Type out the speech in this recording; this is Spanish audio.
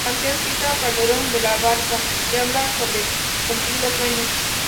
La canción cita a Calderón de la Barca y habla sobre cumplir los sueños.